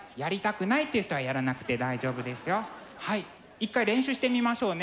１回練習してみましょうね。